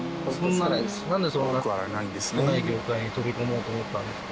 なんでそんな少ない業界に飛び込もうと思ったんですか？